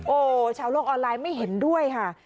โอ้โหชาวโลกออนไลน์ไม่เห็นด้วยค่ะ